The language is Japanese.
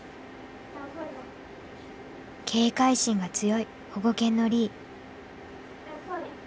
警戒心が強い保護犬のリィ。